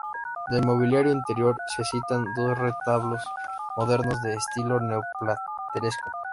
Del mobiliario interior se citan dos retablos modernos de estilo neo-plateresco.